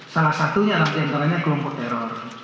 salah satunya nanti antaranya kelompok teror